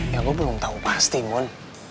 ya gue belum tau pasti mon